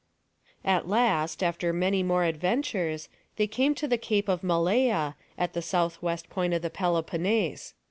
At last, after many more adventures, they came to the Cape of Malea, at the southwest point of the Peloponnese.